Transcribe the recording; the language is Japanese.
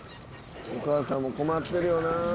お母さんも困ってるよな。